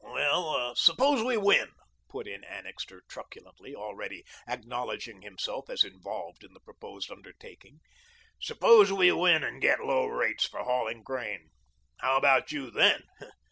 "Well, suppose we win," put in Annixter truculently, already acknowledging himself as involved in the proposed undertaking; "suppose we win and get low rates for hauling grain. How about you, then?